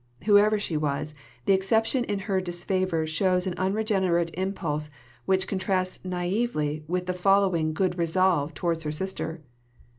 Whoever she was, the exception in her disfavour shows an unregenerate impulse which contrasts naïvely with the following good resolve towards her sister.